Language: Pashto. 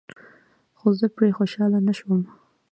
خو زه پرې خوشحاله نشوم.